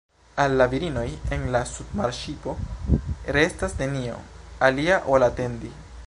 Al la viroj en la submarŝipo restas nenio alia ol atendi.